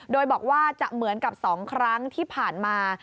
โดยบอกว่าจะเหมือนกับ๒ครั้งที่ผ่านมา